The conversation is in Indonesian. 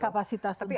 kapasitas untuk itu